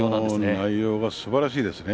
内容がすばらしいですね。